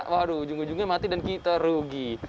waduh ujung ujungnya mati dan kita rugi